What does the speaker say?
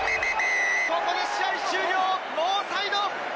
ここで試合終了、ノーサイド！